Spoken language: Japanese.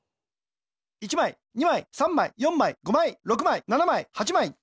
１まい２まい３まい４まい５まい６まい７まい８まい。